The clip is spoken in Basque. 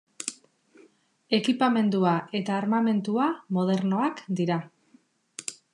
Ekipamendua eta armamentua modernoak dira.